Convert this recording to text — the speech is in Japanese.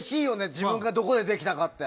自分がどこでできたかって。